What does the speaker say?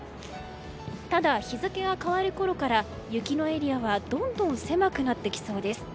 ただ日付が変わるころから雪のエリアはどんどん狭くなってきそうです。